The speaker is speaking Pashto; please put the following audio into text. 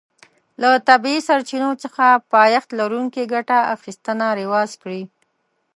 له طبیعي سرچینو څخه پایښت لرونکې ګټه اخیستنه رواج کړي.